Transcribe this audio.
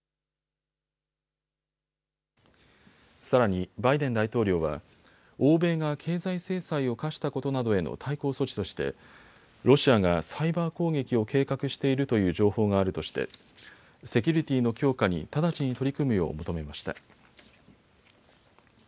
さらにバイデン大統領は欧米が経済制裁を科したことなどへの対抗措置としてロシアがサイバー攻撃を計画しているという情報があるとしてセキュリティーの強化に直ちに取り組むよう求めました。